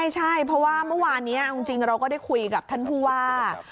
ใช่เพราะว่าเมื่อวานนี้เอาจริงเราก็ได้คุยกับท่านผู้ว่า